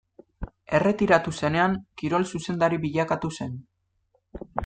Erretiratu zenean, kirol zuzendari bilakatu zen.